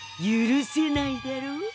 許せないだろう？